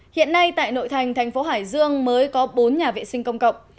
hiện nay tại nội thành thành phố hải dương mới có bốn nhà vệ sinh công cộng